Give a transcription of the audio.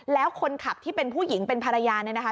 แล้วคนขับที่เป็นผู้หญิงเป็นภรรยาเนี่ยนะคะ